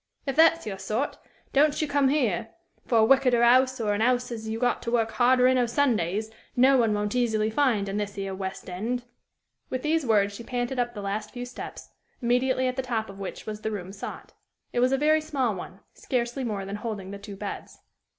If that's your sort, don't you come here; for a wickeder 'ouse, or an 'ouse as you got to work harder in o' Sundays, no one won't easily find in this here west end." With these words she panted up the last few steps, immediately at the top of which was the room sought. It was a very small one, scarcely more than holding the two beds.